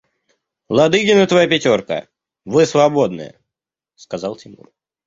– Ладыгин и твоя пятерка, вы свободны, – сказал Тимур.